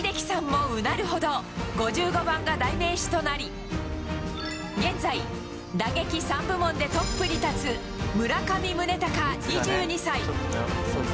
もうなるほど、５５番が代名詞となり、現在、打撃３部門でトップに立つ、村上宗隆２２歳。